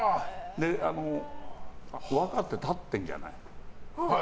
お墓って立ってるじゃない。